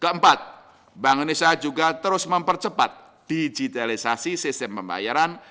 keempat bank indonesia juga terus mempercepat digitalisasi sistem pembayaran